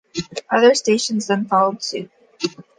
Other stations then followed suit.